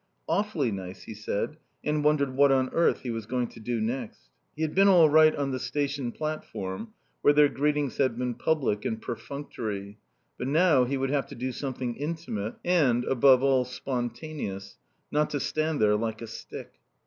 "Awfully nice," he said, and wondered what on earth he was going to do next. He had been all right on the station platform where their greetings had been public and perfunctory, but now he would have to do something intimate and, above all, spontaneous, not to stand there like a stick.